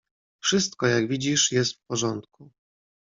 "Wszystko, jak widzisz, jest w porządku."